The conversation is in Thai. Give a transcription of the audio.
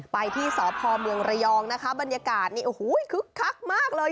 ไปที่สพเมืองระยองนะคะบรรยากาศนี่โอ้โหคึกคักมากเลย